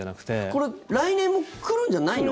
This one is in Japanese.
これ来年も来るんじゃないの？